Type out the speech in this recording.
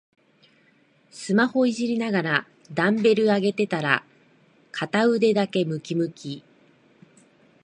スマホいじりながらダンベル上げてたら片腕だけムキムキ